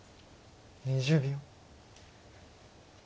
２０秒。